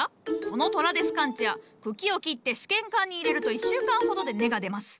このトラデスカンチア茎を切って試験管に入れると１週間ほどで根が出ます。